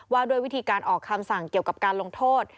ว่าด้วยวิธีการออกคำสั่งเกี่ยวกับการลงโทษ